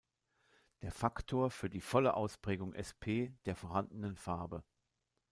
Der Faktor für die "volle Ausprägung Sp" der vorhandenen Farbe.